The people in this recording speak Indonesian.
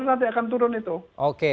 itu baru nanti akan turun itu oke